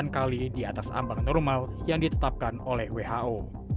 delapan kali di atas ambang normal yang ditetapkan oleh who